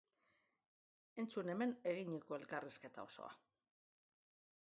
Entzun hemen eginiko elkarrizketa osoa!